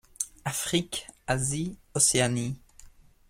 Afrique, Asie, Océanie.